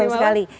ya betul sekali